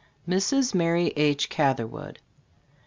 MRS. MARY H. CATHERWOOD.